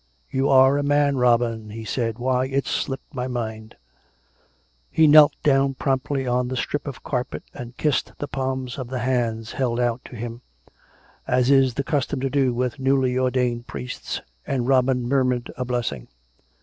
" You are a man, Robin," he said. —" Why, it slipped my mind !" He knelt down promptly on the strip of carpet and kissed the palms of the hands held out to him, as is the custom to do with newly ordained priests, and Robin murmured a blessing.